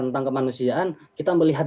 tentang kemanusiaan kita melihat